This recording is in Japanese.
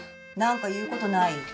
何か言うことない？